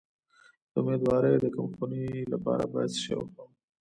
د امیدوارۍ د کمخونی لپاره باید څه شی وخورم؟